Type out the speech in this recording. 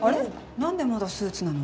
何でまだスーツなの？